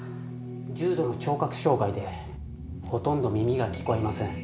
重度の聴覚障害でほとんど耳が聞こえません。